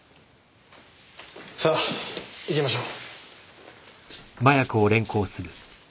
さあ行きましょう。